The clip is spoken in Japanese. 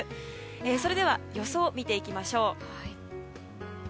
それでは予想を見ていきましょう。